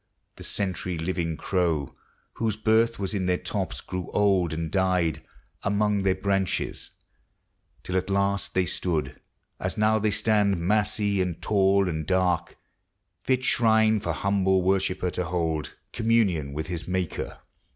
The century living crow, Whose birth was in their tops, grew old and died Among their branches, till at last they stood, As now they stand, massy and tall and dark, Fit shrine for humble worshipper to hold Communion with his Maker.